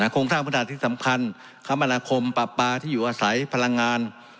โครงสร้างพื้นฐานที่สำคัญคมนาคมปรับปลาที่อยู่อาศัยพลังงาน